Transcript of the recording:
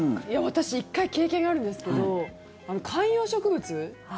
私１回経験あるんですけど観葉植物。